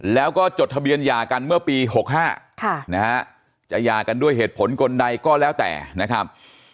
แล้วก็จดทะเบียนหย่ากันเมื่อปี๖๕นะฮะจะหย่ากันด้วยเหตุผลคนใดก็แล้วแต่นะครับ